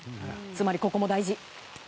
つまり、ここも大事。